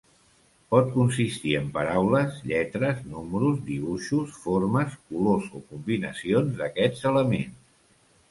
Pot consistir en paraules, lletres, números, dibuixos, formes, colors o combinacions d'aquests elements.